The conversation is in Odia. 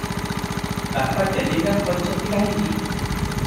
ବାପା ଟେଲିଗ୍ରାମ କରିଚନ୍ତି କାହିଁକି?